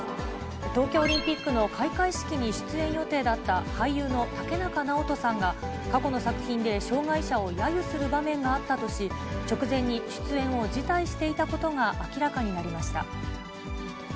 東京オリンピックの開会式に出演予定だった俳優の竹中直人さんが、過去の作品で障がい者をやゆする場面があったとし、直前に出演を辞退していたことが明らかになりました。